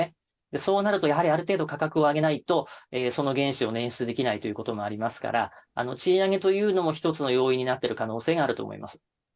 そうなると、やはりある程度価格を上げないと、その原資をねん出できないということもありますから、賃上げというのも一つの要因になってる可能性があると思います。